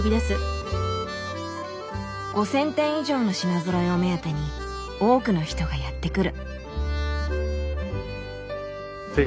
５，０００点以上の品ぞろえを目当てに多くの人がやって来る。